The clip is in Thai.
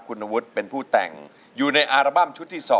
คุณวุฒิเป็นผู้แต่งอยู่ในอัลบั้มชุดที่๒